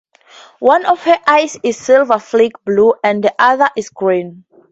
One of her eyes is silver-flecked blue, and the other is green.